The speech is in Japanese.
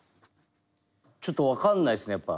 ちょっと分かんないっすねやっぱ。